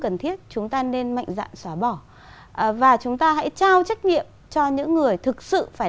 cần thiết chúng ta nên mạnh dạng xóa bỏ và chúng ta hãy trao trách nhiệm cho những người thực sự phải